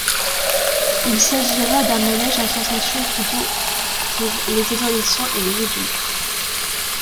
Il s'agira d'un manège à sensation plutôt pour les adolescents et les adultes.